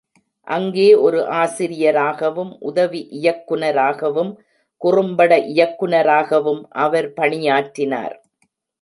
அங்கே ஒரு ஆசிரியராகவும், உதவி இயக்குனராகவும், குறும்பட இயக்குனராகவும் அவர் பணியாற்றினார்.